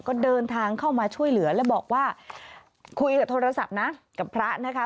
ก็เดินทางเข้ามาช่วยเหลือแล้วบอกว่าคุยกับโทรศัพท์นะกับพระนะคะ